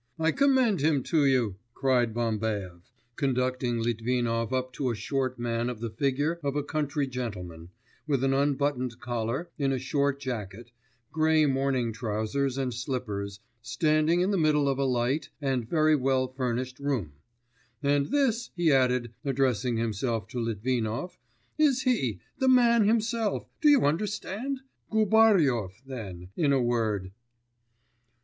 I commend him to you,' cried Bambaev, conducting Litvinov up to a short man of the figure of a country gentleman, with an unbuttoned collar, in a short jacket, grey morning trousers and slippers, standing in the middle of a light, and very well furnished room; 'and this,' he added, addressing himself to Litvinov, 'is he, the man himself, do you understand? Gubaryov, then, in a word.